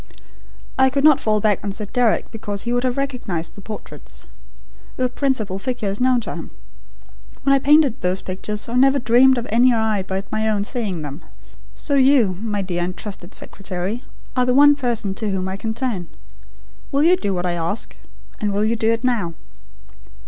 I could not fall back on Sir Deryck because he would have recognised the portraits. The principal figure is known to him. When I painted those pictures I never dreamed of any eye but my own seeing them. So you, my dear and trusted secretary, are the one person to whom I can turn. Will you do what I ask? And will you do it now?"